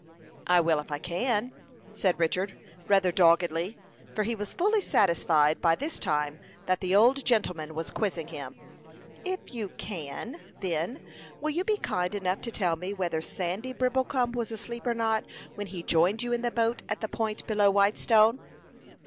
"I will if I can," said Richard, rather doggedly, for he was fully satisfied, by this time, that the old gentleman was quizzing him. "If you can, then, will you be kind enough to tell me whether Sandy Brimblecom was asleep or not, when he joined you in the boat at the point below Whitestone?"